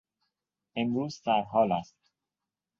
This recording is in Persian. امروز سرحال است.